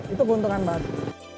itu keuntungan banget